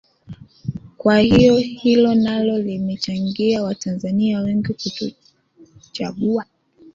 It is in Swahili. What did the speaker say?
kwa hiyo hilo nalo limechangia watanzania wengi kutochagua